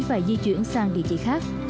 và di chuyển sang địa chỉ khác